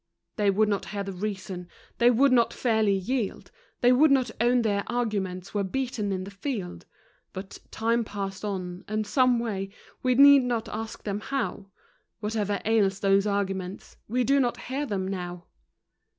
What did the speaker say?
They would not hear the reason, they would not fairly yield, They would not own their arguments were beaten in the field; But time passed on, and someway, we need not ask them how, Whatever ails those arguments we do not hear them now!